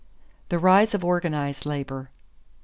=The Rise of Organized Labor.